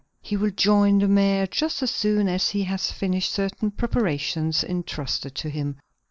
"He will join the mayor just as soon as he has finished certain preparations intrusted to him."